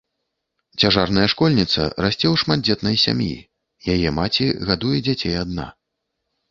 Цяжарная школьніца расце ў шматдзетнай сям'і, яе маці гадуе дзяцей адна.